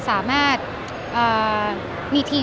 สั่งเช้ั่นไรพี่